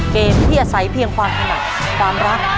เกมที่อาศัยเพียงความถนัดความรัก